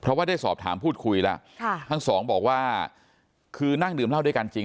เพราะว่าได้สอบถามพูดคุยแล้วทั้งสองบอกว่าคือนั่งดื่มเหล้าด้วยกันจริง